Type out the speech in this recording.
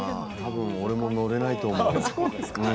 たぶん俺も乗れないと思う。